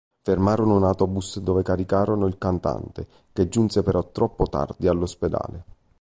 Fermarono un autobus dove caricarono il cantante, che giunse però troppo tardi all'ospedale.